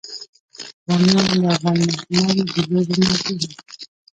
بامیان د افغان ماشومانو د لوبو موضوع ده.